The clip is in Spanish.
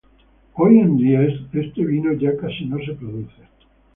Hoy en día este vino ya casi no se produce.